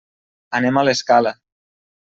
Anem a l'Escala.